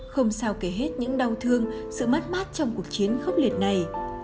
không sao kể hết những đau thương sự mất mát trong cuộc chiến khốc liệt này